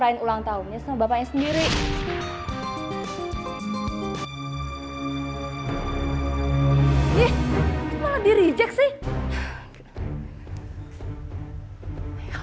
ih malah diri jack sih